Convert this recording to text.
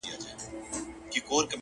ما دي ویلي کله قبر نایاب راکه،